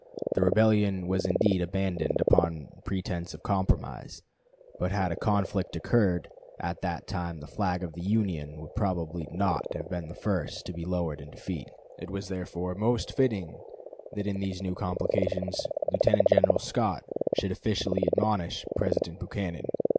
The rebellion was indeed abandoned upon pretense of compromise; but had a conflict occurred at that time the flag of the Union would probably not have been the first to be lowered in defeat. It was, therefore, most fitting that in these new complications Lieutenant General Scott should officially admonish President Buchanan.